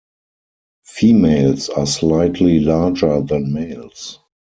Females are slightly larger than males.